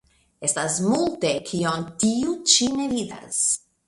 Estas multe, kion tiu ĉi ne vidas.